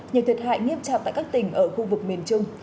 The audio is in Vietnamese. nhiều thiệt hại nghiêm trọng tại các tỉnh ở khu vực miền trung